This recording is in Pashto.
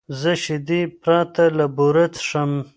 زه شیدې پرته له بوره څښم.